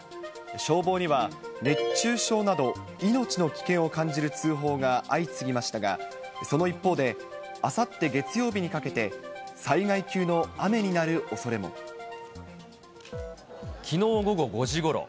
消防には熱中症など、命の危険を感じる通報が相次ぎましたが、その一方で、あさって月曜日にかけて、きのう午後５時ごろ。